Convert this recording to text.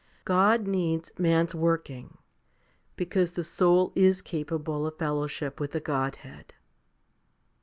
God needs man's working, because the soul is capable of fellowship with the Godhead.